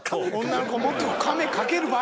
女の子もっとカメ描けるばい。